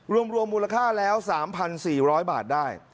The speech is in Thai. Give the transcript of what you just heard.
รวมมูลค่าแล้ว๓๔๐๐บาทได้